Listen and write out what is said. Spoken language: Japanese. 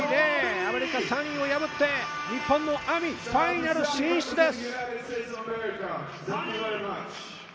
３−０、アメリカ・Ｓｕｎｎｙを破って日本のＡＭＩ、ファイナル進出です！